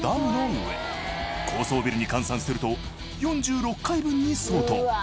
高層ビルに換算すると４６階分に相当。